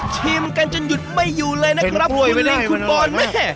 ชิมกันจนหยุดไม่อยู่เลยนะครับคุณลิงคุณบอลแม่